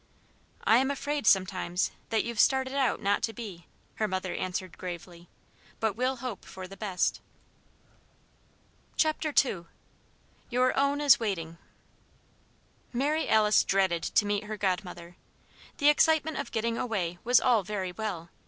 "I'm afraid, sometimes, that you've started out not to be," her mother answered, gravely, "but we'll hope for the best." II YOUR OWN IS WAITING Mary Alice dreaded to meet her godmother. The excitement of getting away was all very well.